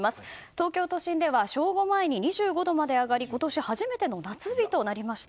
東京都心では正午前に２５度まで上がり今年初めての夏日となりました。